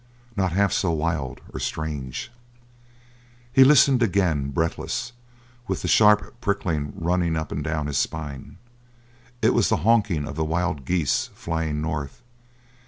Not half so wild or strange. He listened again, breathless, with the sharp prickling running up and down his spine. It was the honking of the wild geese, flying north.